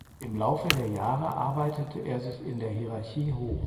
Im Laufe der Jahre arbeitete er sich in der Hierarchie hoch.